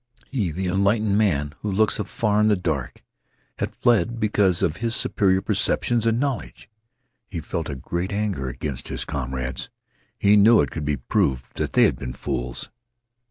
He, the enlightened man who looks afar in the dark, had fled because of his superior perceptions and knowledge. He felt a great anger against his comrades. He knew it could be proved that they had been fools.